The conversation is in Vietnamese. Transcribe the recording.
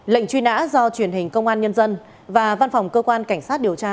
lệnh truy nã do truyền hình công an nhân dân và văn phòng cơ quan cảnh sát điều tra